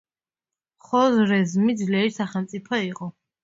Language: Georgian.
ხორეზმი ძლიერი სახელმწიფო იყო.